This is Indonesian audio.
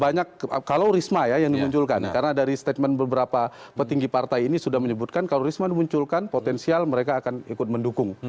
banyak kalau risma ya yang dimunculkan karena dari statement beberapa petinggi partai ini sudah menyebutkan kalau risma dimunculkan potensial mereka akan ikut mendukung